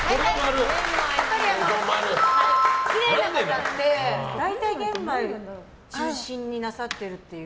きれいな方って大体玄米を中心になさってるという。